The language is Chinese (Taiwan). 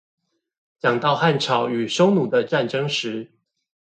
講到漢朝與匈奴的戰爭時